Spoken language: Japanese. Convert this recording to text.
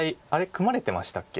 組まれてましたっけ？